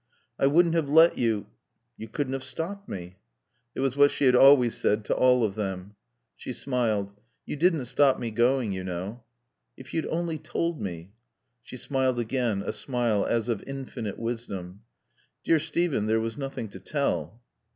"I wouldn't have let you " "You couldn't have stopped me." (It was what she had always said to all of them.) She smiled. "You didn't stop me going, you know." "If you'd only told me " She smiled again, a smile as of infinite wisdom. "Dear Steven, there was nothing to tell."